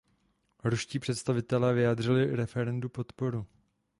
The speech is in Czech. Ruští představitelé vyjádřili referendu podporu.